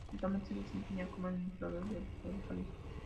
Actualmente se desempeña como administrador del Estadio Jalisco.